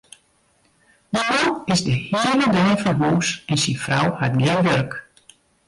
Dy man is de hiele dei fan hûs en syn frou hat gjin wurk.